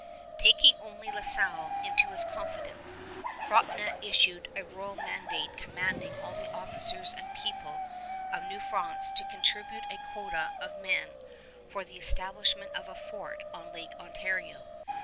Taking only La Salle into his confidence, Frontenac issued a royal mandate commanding all the officers and people of New France to contribute a quota of men for the establishment of a fort on Lake Ontario.